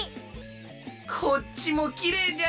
こっちもきれいじゃの。